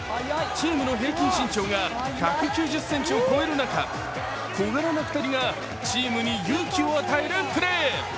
チームの平均身長が１９０ｃｍを超える中、小柄な２人がチームへ勇気を与えるプレー。